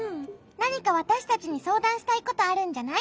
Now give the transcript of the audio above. なにかわたしたちにそうだんしたいことあるんじゃない？